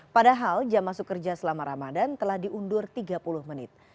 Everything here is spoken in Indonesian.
padahal jam masuk kerja selama ramadan telah diundur tiga puluh menit